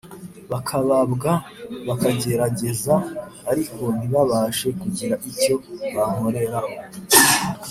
bakababwa, bakagerageza ariko ntibabashe kugira icyo bankoraho